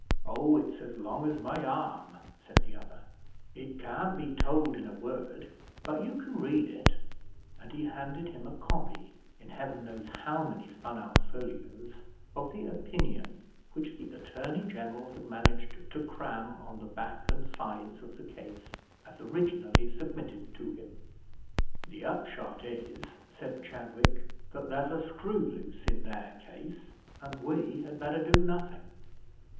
"Oh, it's as long as my arm," said the other; "it can't be told in a word, but you can read it;" and he handed him a copy, in heaven knows how many spun out folios, of the opinion which the attorney general had managed to cram on the back and sides of the case as originally submitted to him. "The upshot is," said Chadwick, "that there's a screw loose in their case, and we had better do nothing.